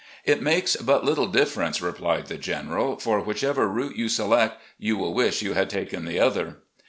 "It makes but little difference," replied the General, "for whichever route you select, you will wish you had taken the other."